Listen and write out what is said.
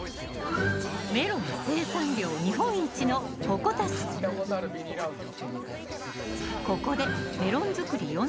メロン生産量日本一の鉾田市見たことあるビニールハウスだ。